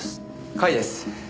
甲斐です。